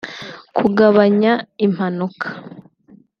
kugabanya impanuka